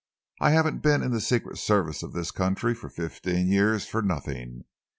I haven't been in the Secret Service of this country for fifteen years for nothing.